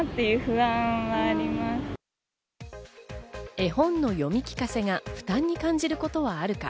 絵本の読み聞かせが負担に感じることはあるか？